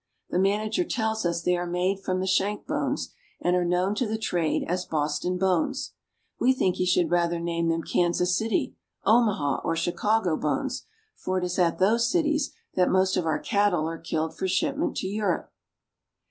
The manager tells us they are made from the shank bones, and are known to the trade as Boston bones. We think he should rather name them Kansas City, Omaha, or Chicago bones, for it is at those cities that most of our cattle are killed for shipment to Europe.